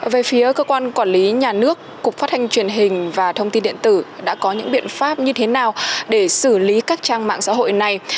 về phía cơ quan quản lý nhà nước cục phát thanh truyền hình và thông tin điện tử đã có những biện pháp như thế nào để xử lý các trang mạng xã hội này